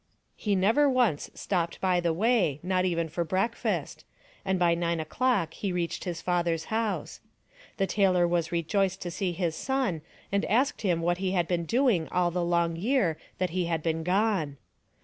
He never once stopped by the way, not even for breakfast, and by nine o'clock he reached his father's house. The tailor was rejoiced to see his son, and asked him what he had been doing all the long year that he had been gone.